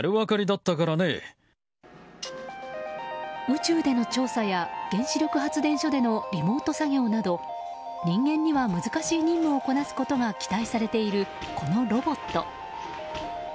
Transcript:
宇宙での調査や原子力発電所でのリモート作業など人間には難しい任務をこなすことが期待されているこのロボット。